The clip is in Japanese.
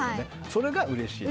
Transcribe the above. それがうれしい。